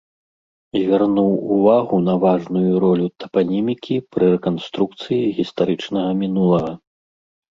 Звярнуў увагу на важную ролю тапанімікі пры рэканструкцыі гістарычнага мінулага.